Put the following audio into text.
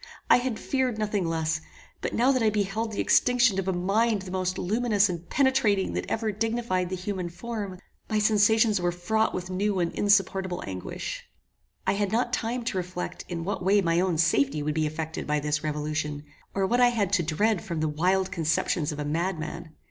I had feared nothing less; but now that I beheld the extinction of a mind the most luminous and penetrating that ever dignified the human form, my sensations were fraught with new and insupportable anguish. I had not time to reflect in what way my own safety would be effected by this revolution, or what I had to dread from the wild conceptions of a madman.